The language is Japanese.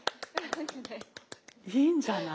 いいんじゃない。